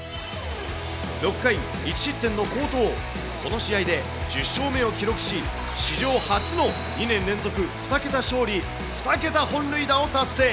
６回１失点の好投、この試合で１０勝目を記録し、史上初の２年連続２桁勝利２桁本塁打を達成。